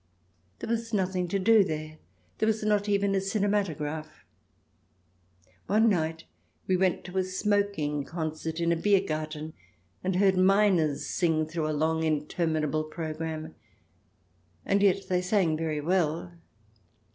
There was nothing to do there ; there was not even a cinematograph. One night we went to a smoking concert in a Biergarten and heard miners sing through a long, interminable programme. And yet they sang very well.